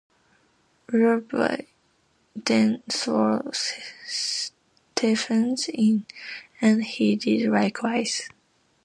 Luby then swore Stephens in and he did likewise.